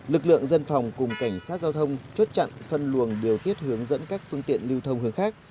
lực lượng dân phòng cùng cảnh sát giao thông chốt chặn phân luồng điều tiết hướng dẫn các phương tiện lưu thông hướng khác